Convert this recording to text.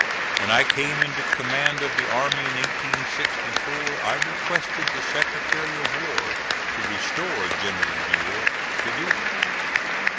When I came into command of the army in 1864, I requested the Secretary of War to restore General Buell to duty.